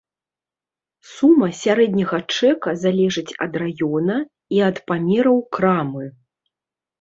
Сума сярэдняга чэка залежыць ад раёна, і ад памераў крамы.